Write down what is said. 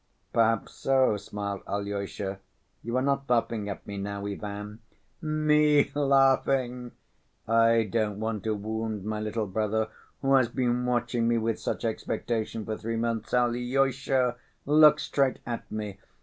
"Perhaps so," smiled Alyosha. "You are not laughing at me, now, Ivan?" "Me laughing! I don't want to wound my little brother who has been watching me with such expectation for three months. Alyosha, look straight at me!